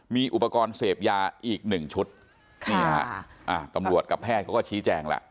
มีอุปกรณ์เสพยาอีก๑ชุดนี่ฮะตำรวจกับแพทย์ก็ชี้แจ้งแล้ว